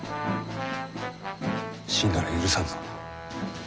死んだら許さんぞ。